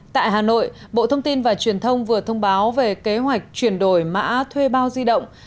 tại hà nội bộ thông tin và truyền thông vừa thông báo về kế hoạch chuyển đổi mã thuê bao di động